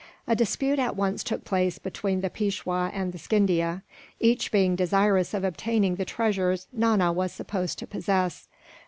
A dispute at once took place between the Peishwa and Scindia, each being desirous of obtaining the treasures Nana was supposed to possess.